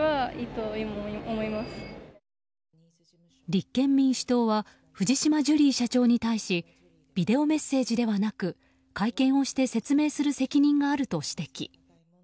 立憲民主党は藤島ジュリー社長に対しビデオメッセージではなく会見をして説明する責任があると指摘。